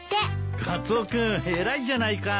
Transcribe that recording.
カツオ君偉いじゃないか。